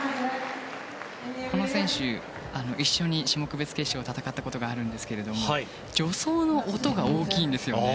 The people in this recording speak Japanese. この選手、一緒に種目別決勝を戦ったことがあるんですが助走の音が大きいんですよね。